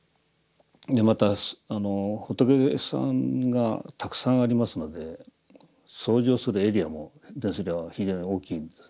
また仏さんがたくさんありますので掃除をするエリアも殿司寮は非常に大きいんです。